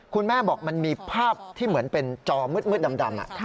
คุณแม่บอกมันมีภาพที่เหมือนเป็นจอมืดดำ